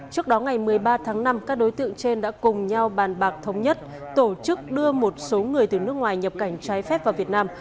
trước đó ngày một mươi ba tháng năm các đối tượng trên đã cùng nhau bàn bạc thống nhất tổ chức đưa một số người từ nước ngoài nhập cảnh trái phép vào việt nam